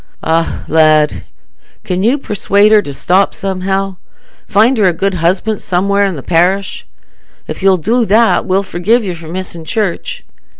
"Ah, lad! Can you persuade her to stop somehow? Find her a good husband somewhere i' the parish. If you'll do that, we'll forgive you for missing church.